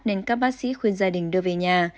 nên các bác sĩ khuyên gia đình đưa về nhà